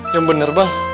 yang bener bang